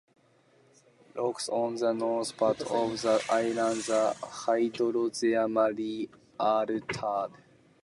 Rocks on the north part of the island are hydrothermally altered.